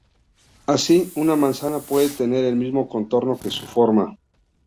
Así, una manzana puede tener el mismo contorno que su "forma".